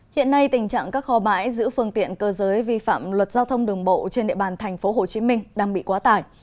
hiện nay tình trạng các kho bãi giữ phương tiện cơ giới vi phạm luật giao thông đường bộ trên địa bàn thành phố hồ chí minh đang bị quá tải